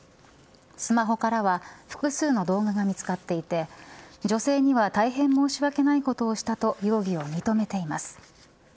スマホからは複数の動画が見つかっていて女性には大変申し訳ないことをしたと容疑を認めています。